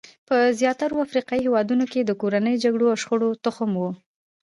دا په زیاترو افریقایي هېوادونو کې د کورنیو جګړو او شخړو تخم وو.